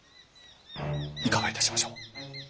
いかがいたしましょう？